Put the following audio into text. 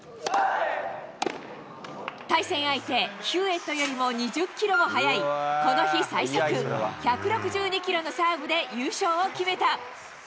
対戦相手、ヒューエットよりも２０キロも速いこの日最速、１６２キロのサーブで優勝を決めた。